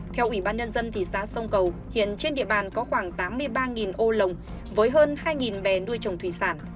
theo ủy ban nhân dân thị xã sông cầu hiện trên địa bàn có khoảng tám mươi ba ô lồng với hơn hai bè nuôi trồng thủy sản